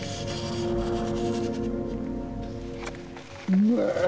うわ！